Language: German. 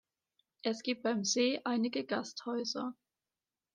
Es gibt beim See einige Gasthäuser.